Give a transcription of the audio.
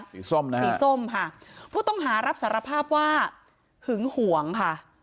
ส้มนะฮะสีส้มค่ะผู้ต้องหารับสารภาพว่าหึงหวงค่ะ